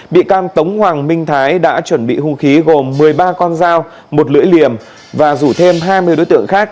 bị can tống hoàng minh thái đã chuẩn bị hung khí gồm một mươi ba con dao một lưỡi liềm và rủ thêm hai mươi đối tượng khác